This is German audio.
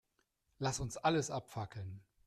Lass uns alles abfackeln.